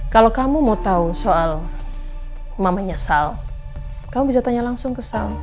kalau kamu mau tahu soal mamanya sal kamu bisa tanya langsung ke sal